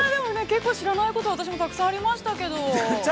◆結構知らないこと私もたくさんありましたけど。